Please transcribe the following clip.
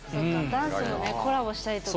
ダンスのねコラボしたりとか。